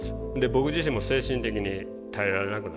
僕自身も精神的に耐えられなくなったんで。